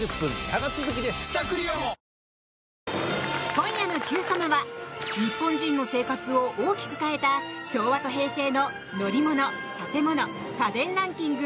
今夜の「Ｑさま！！」は日本人の生活を大きく変えた昭和と平成の乗り物、建物、家電ランキング